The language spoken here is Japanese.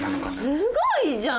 すごいじゃん！